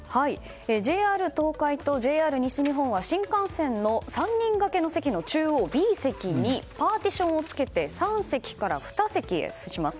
ＪＲ東海とＪＲ西日本は新幹線の３人掛けの席の中央のＢ席にパーティションをつけて３席から２席へします。